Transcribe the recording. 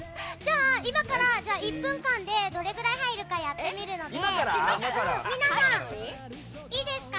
今から１分間でどれぐらい入るかやってみるので皆さん、いいですか。